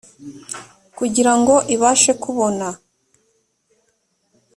kugira ngo ibashe kubona